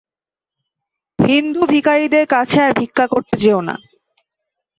হিন্দু ভিখারীদের কাছে আর ভিক্ষা করতে যেও না।